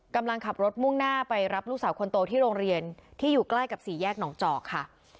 กำลังขับรถมุ่งหน้าไปรับลูกสาวคนโตที่โรงเรียนที่อยู่ใกล้กับสี่แยกหนองจอกค่ะ